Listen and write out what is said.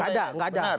gak ada gak ada